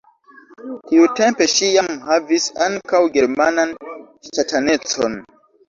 Tiutempe ŝi jam havis ankaŭ germanan ŝtatanecon.